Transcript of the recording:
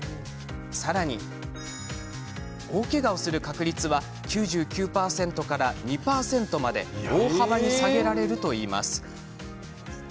さらに、大けがをする確率は９９％から２％まで大幅に下げられるといいます。